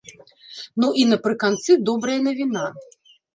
Ну і напрыканцы добрая навіна.